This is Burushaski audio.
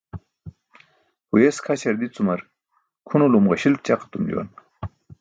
Huyes kʰaśar dicumar kʰunulum ġaśil ćaq etum juwan.